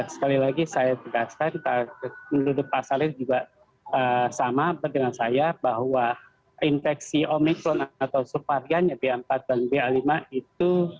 sekali lagi saya perhatikan menurut pak salir juga sama dengan saya bahwa infeksi omicron atau suvarian b empat dan b lima itu